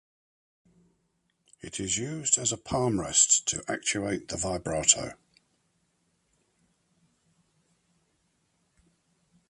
It is used as a palm rest to actuate the vibrato.